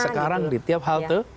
sekarang di tiap halte